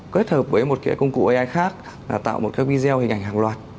kết hợp với một công cụ ai khác là tạo một video hình ảnh hàng loạt